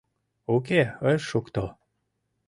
— Уке, ыш шукто.